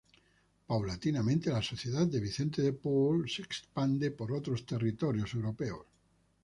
Paulatinamente la Sociedad de Vicente de Paúl, se expande por otros territorios europeos.